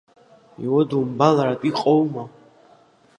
Иудумбалартә уҟоума?